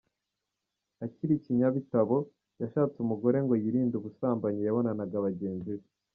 Akiri ‘Kanyabitabo’ yashatse umugore ngo yirinde ubusambanyi yabonanaga bagenzi be.